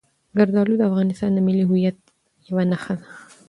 زردالو د افغانستان د ملي هویت یوه نښه ده.